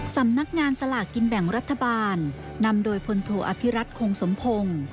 สำนักงานสลากกินแบ่งรัฐบาลนำโดยพลโทอภิรัตคงสมพงศ์